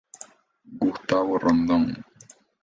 Gustavo Rondón.